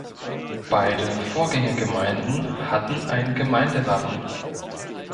Beide Vorgängergemeinden hatten ein Gemeindewappen.